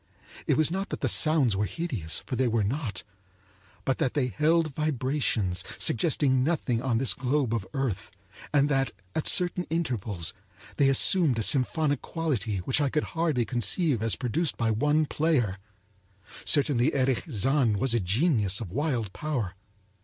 It was not that the sounds were hideous, for they were not; but that they held vibrations suggesting nothing on this globe of earth, and that at certain intervals they assumed a symphonic quality which I could hardly conceive as produced by one player. Certainly, Erich Zann was a genius of wild power.